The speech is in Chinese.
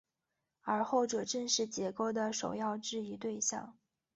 而后者正是解构的首要质疑对象。